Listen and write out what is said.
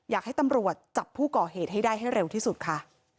อยากให้ตำรวจจับผู้ก่อเหตุให้ได้ให้เร็วที่สุดค่ะ